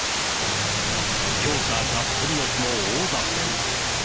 両者がっぷりよつの王座戦。